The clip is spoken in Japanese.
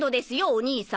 お兄さん。